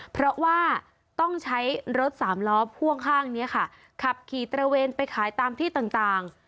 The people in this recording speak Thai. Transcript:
เพราะว่าต้องใช้รถสามล้อพ่วงข้างนี้ค่ะขับขี่ตระเวนไปขายตามที่ต่าง